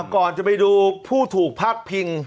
ก่อนจะไปดูผู้ถูกพาดพิง